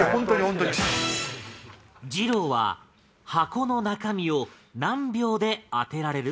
二朗は箱の中身を何秒で当てられる？